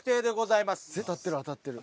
当たってる当たってる。